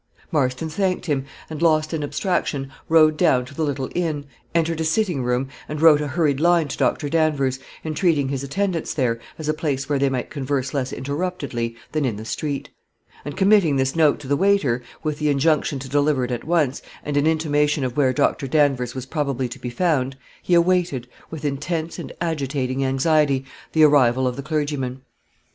Marston thanked him, and, lost in abstraction, rode down to the little inn, entered a sitting room, and wrote a hurried line to Dr. Danvers, entreating his attendance there, as a place where they might converse less interruptedly than in the street; and committing this note to the waiter, with the injunction to deliver it at once, and an intimation of where Dr. Danvers was probably to be found, he awaited, with intense and agitating anxiety, the arrival of the clergyman.